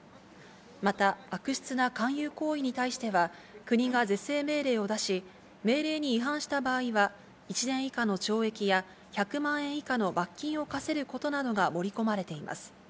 また、悪質な勧誘行為に対しては、国が是正命令を出し、命令に違反した場合は、１年以下の懲役や１００万円以下の罰金を科せることなどが盛り込まれています。